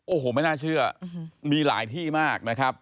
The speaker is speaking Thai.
โอ้โหไม่น่าเชื่อมีหลายที่มากนะครับ